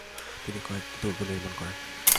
তিনি কয়েকটি দুর্গ নির্মাণ করেন।